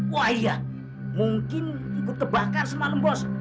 wah iya mungkin ikut tebakan semalam bos